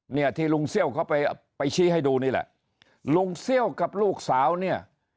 เนี่ยที่ลุงเซี่ยวเขาไปไปชี้ให้ดูนี่แหละลุงเซี่ยวกับลูกสาวเนี่ย